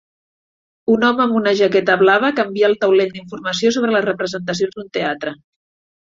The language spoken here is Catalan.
Un home amb una jaqueta blava canvia el taulell d'informació sobre les representacions d'un teatre